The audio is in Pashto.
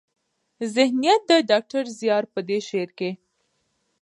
ذهنيت د ډاکټر زيار په دې شعر کې